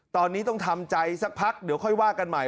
ตอนนี้ต้องทำใจสักพักเดี๋ยวค่อยว่ากันใหม่